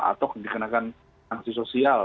atau dikenakan sanksi sosial